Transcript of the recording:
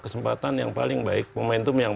kesempatan yang paling baik momentum yang